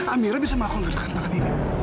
amira bisa melakukan gerakan ini